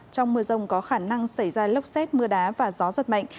trong mưa rông có khả năng xảy ra lốc xét mưa đá và gió giật mạnh